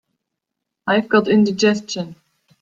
I've got indigestion.